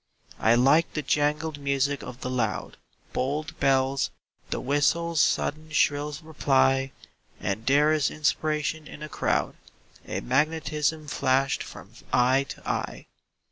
I like the jangled music of the loud Bold bells; the whistle's sudden shrill reply; And there is inspiration in a crowd A magnetism flashed from eye to eye.